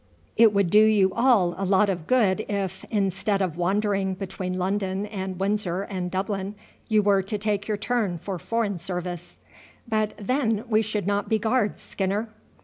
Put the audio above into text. It would do you all a lot of good if, instead of wandering between London and Windsor and Dublin, you were to take your turn for foreign service." "But then we should not be Guards, Skinner."